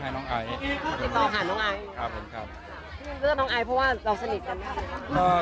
แล้วก็น้องไอ้เพราะว่าเราสนิทกันนะครับ